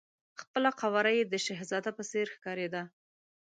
خپله قواره یې د شهزاده په څېر ښکارېده.